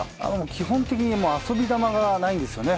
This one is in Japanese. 基本的に遊び球がないんですね。